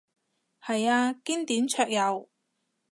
係啊，經典桌遊